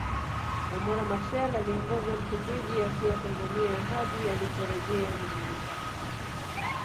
Samora Machel aliongoza Msumbiji akiwa Tanzania hadi aliporejea nyumbani kwake